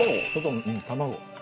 卵。